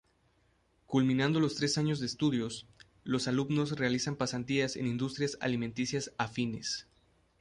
Culminando los tres años de estudios, los alumnos realizan pasantías en Industrias Alimenticias Afines.